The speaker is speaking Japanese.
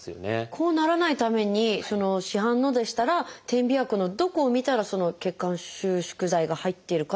こうならないために市販のでしたら点鼻薬のどこを見たらその血管収縮剤が入っているかっていうのが分かるんですか？